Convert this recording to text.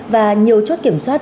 và nhiều chốt kiểm soát